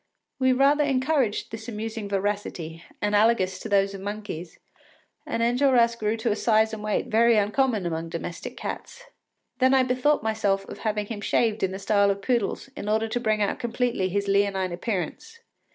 ” We rather encouraged this amusing voracity, analogous to that of monkeys, and Enjolras grew to a size and weight very uncommon among domestic cats. Then I bethought myself of having him shaved in the style of poodles, in order to bring out completely his leonine appearance.